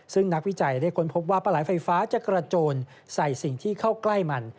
ซึ่งนักวิจัยได้ค้นพบว่าปลาไหลไฟฟ้าจะกระโจนใส่สิ่งที่เข้าใกล้มัน